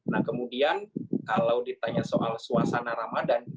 nah kemudian kalau ditanya soal suasana ramadan